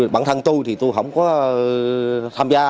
bản thân tôi thì tôi không có tham gia